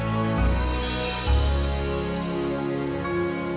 ya gak jadi